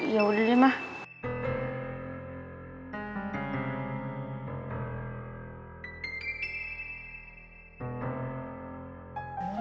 ya udah deh ma